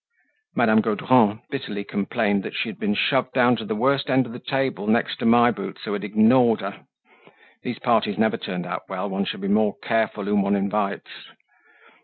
Madame Gaudron bitterly complained that she had been shoved down to the worst end of the table next to My Boots who had ignored her. These parties never turned out well, one should be more careful whom one invites.